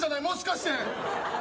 もしかして！